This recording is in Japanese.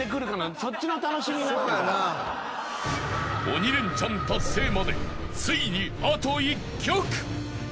［鬼レンチャン達成までついにあと１曲］